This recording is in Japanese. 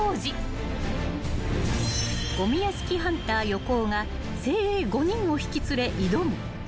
［ごみ屋敷ハンター横尾が精鋭５人を引き連れ挑む］